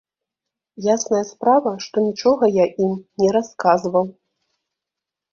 Ясная справа, што нічога я ім не расказваў.